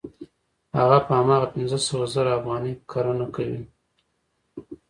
هغه په هماغه پنځه سوه زره افغانۍ کرنه کوي